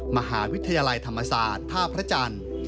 มหาวิทยาลัยธรรมศาสตร์ท่าพระจันทร์